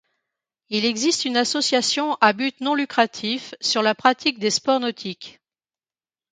Il existe une association à but non lucratif sur la pratique de sports nautiques.